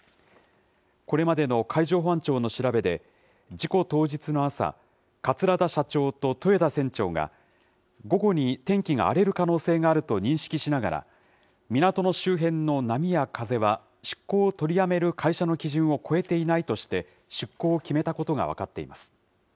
これまでの海上保安庁の調べで、事故当日の朝、桂田社長と豊田船長が午後に天気が荒れる可能性があると認識しながら、港の周辺の波や風は出航を取りやめる会社の基準を超えていないとして、出航を決めたことが分かっています。